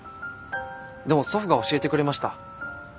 でも祖父が教えてくれました。